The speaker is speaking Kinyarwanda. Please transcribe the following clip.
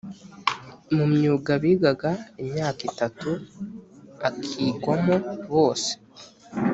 mu myuga bigaga imyaka itatu akigwamo bose